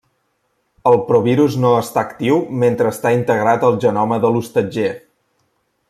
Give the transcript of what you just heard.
El provirus no està actiu mentre està integrat al genoma de l'hostatger.